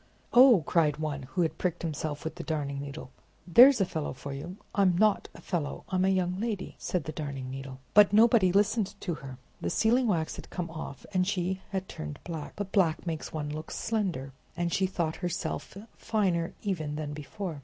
"Oh!" cried one, who had pricked himself with the Darning Needle, there's a fellow for you!" "I'm not a fellow; I'm a young lady!" said the Darning Needle. But nobody listened to her. The sealing wax had come off, and she had turned black; but black makes one look slender, and she thought herself finer even than before.